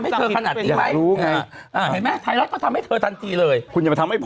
ไหนอยู่ซิไอวีซูลิอ๋อไหนอยู่ซิ